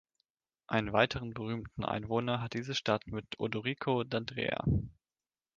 Einen weiteren berühmten Einwohner hat diese Stadt mit Odorico D'Andrea.